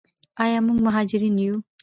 آیا موږ مهاجرین یو؟